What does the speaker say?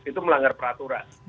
itu melanggar peraturan